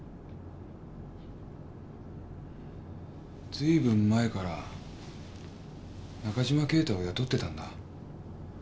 ずいぶん前から中嶋敬太を雇ってたんだ。